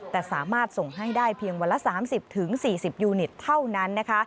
แต่สามารถส่งให้ได้เพียงวันละ๓๐๔๐ยูนิตเท่านั้นนะคะ